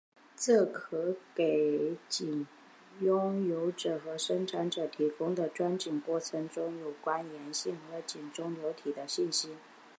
这可给井拥有者和生产者提供在钻井过程中有关岩性和井中流体的信息。